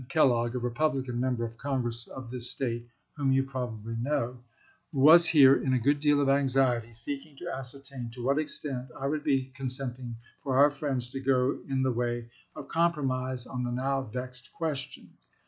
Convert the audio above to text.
Kellogg, a Republican Mem ber of Congress of this State, whom you probably know, was here in a good deal of anxiety seeking to ascertain to what extent I would be consenting for our friends to go in the way of compromise on the now vexed question.